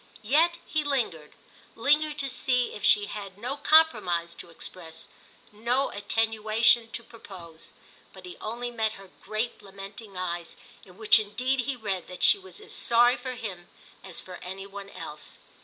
Yet he lingered—lingered to see if she had no compromise to express, no attenuation to propose. But he only met her great lamenting eyes, in which indeed he read that she was as sorry for him as for any one else.